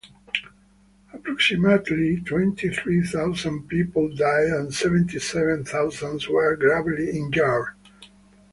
Approximately twenty three thousand people died and seventy seven thousands were gravely injured.